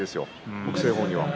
北青鵬には。